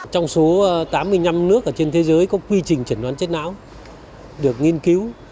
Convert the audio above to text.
trong số tám mươi năm nước trên thế giới có quy trình chẩn đoán chất não được nghiên cứu